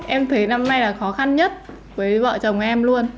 em thấy năm nay là khó khăn nhất với vợ chồng em luôn